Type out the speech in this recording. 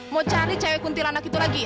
mau cari cewek kuntilanak itu lagi